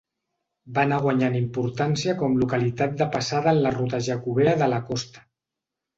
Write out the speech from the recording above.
Va anar guanyant importància com localitat de passada en la Ruta Jacobea de la costa.